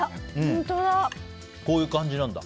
こういう感じなんだ。